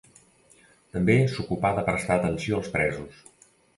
També s'ocupà de prestar atenció als presos.